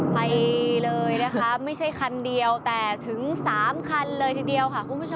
ไปเลยนะคะไม่ใช่คันเดียวแต่ถึง๓คันเลยทีเดียวค่ะคุณผู้ชม